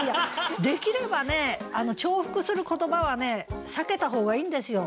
できればね重複する言葉はね避けた方がいいんですよ。